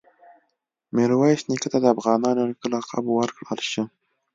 میرویس نیکه ته د “افغانانو نیکه” لقب ورکړل شو.